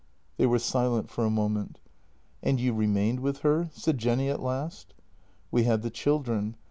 They were silent for a moment. " And you remained with her? " said Jenny at last. "We had the children.